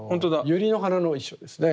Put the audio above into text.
ユリの花の意匠ですね。